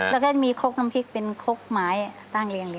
แล้วก็มีครกน้ำพริกเป็นคกไม้ตั้งเรียนเลย